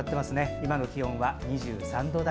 今の気温は２３度台。